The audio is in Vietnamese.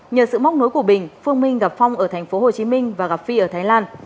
nhờ sự móc nối của bình phương minh gặp phong ở thành phố hồ chí minh và gặp phi ở thái lan